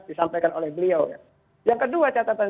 disampaikan oleh beliau yang kedua catatan